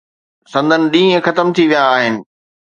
سندن ڏينهن ختم ٿي ويا آهن.